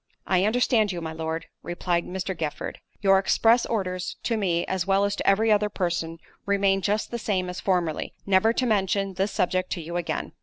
"I understand you, my Lord," replied Mr. Giffard, "your express orders, to me, as well as to every other person, remain just the same as formerly, never to mention this subject to you again."